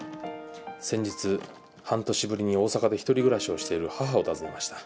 先日半年ぶりに大阪でひとり暮らしをしている母を訪ねました。